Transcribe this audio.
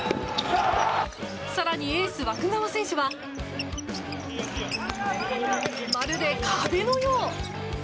更にエース湧川選手はまるで壁のよう！